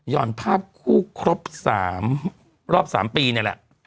่อนภาพคู่ครบ๓รอบ๓ปีนี่แหละ